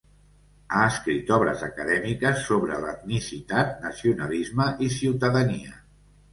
Ha escrit obres acadèmiques sobre l'etnicitat, nacionalisme i ciutadania.